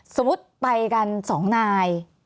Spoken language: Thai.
สมมุติไปกัน๒นาย